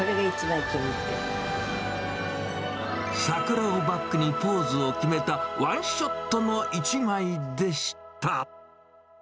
桜をバックにポーズを決めた、ワンショットの一枚でした。